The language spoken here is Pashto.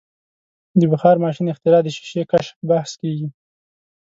د بخار ماشین اختراع د شیشې کشف بحث کیږي.